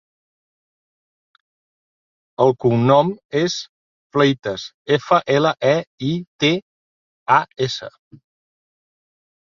El cognom és Fleitas: efa, ela, e, i, te, a, essa.